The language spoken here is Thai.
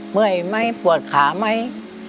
เมื่อยไหมปวดขาไหม